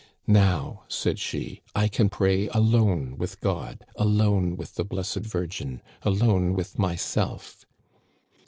"* Now,' said she, * I can pray alone with God, alone with the Blessed Virgin, alone with myself